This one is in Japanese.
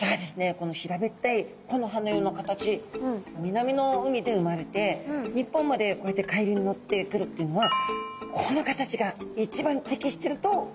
この平べったい木の葉のような形南の海で生まれて日本までこうやって海流に乗ってくるっていうのはこの形が一番適していると思われるんですね。